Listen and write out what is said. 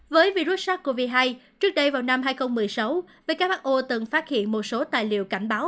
với virus sars cov hai trước đây vào năm hai nghìn một mươi sáu who từng phát hiện một số tài liệu cảnh báo